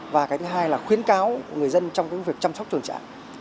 và cái thứ hai là khuyến cáo người dân trong cái việc chăm sóc chuồng trạng